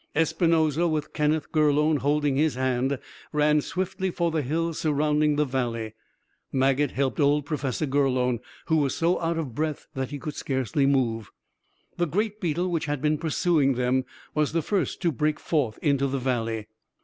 Espinosa, with Kenneth Gurlone holding his hand, ran swiftly for the hills surrounding the valley. Maget helped old Professor Gurlone, who was so out of breath that he could scarcely move. The great beetle which had been pursuing them was the first to break forth into the valley.